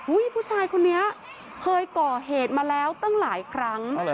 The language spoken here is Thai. ผู้ชายคนนี้เคยก่อเหตุมาแล้วตั้งหลายครั้ง